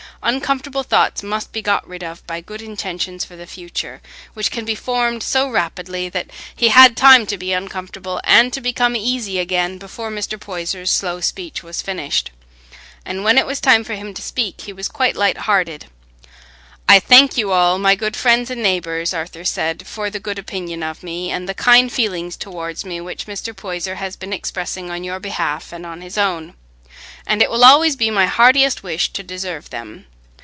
Uncomfortable thoughts must be got rid of by good intentions for the future, which can be formed so rapidly that he had time to be uncomfortable and to become easy again before Mr. Poyser's slow speech was finished, and when it was time for him to speak he was quite light hearted. "I thank you all, my good friends and neighbours," Arthur said, "for the good opinion of me, and the kind feelings towards me which Mr. Poyser has been expressing on your behalf and on his own, and it will always be my heartiest wish to deserve them.